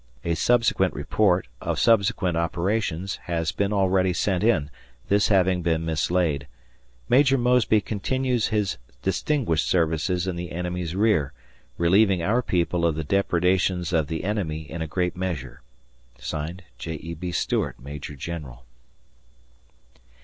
A subsequent report of subsequent operations has been already sent in, this having been mislaid. Major Mosby continues his distinguished services in the enemies rear, relieving our people of the depredations of the enemy in a great measure. J. E. B. Stuart, Major General.